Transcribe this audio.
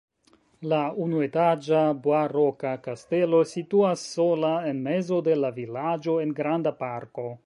La unuetaĝa baroka kastelo situas sola en mezo de la vilaĝo en granda parko.